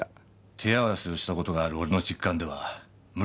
手合わせをした事がある俺の実感では無理だと思う。